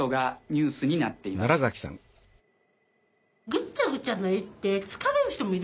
ぐちゃぐちゃな絵って疲れる人もいるんだよ。